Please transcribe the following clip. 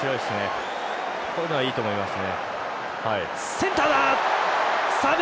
こういうのはいいと思います。